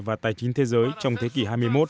và tài chính thế giới trong thế kỷ hai mươi một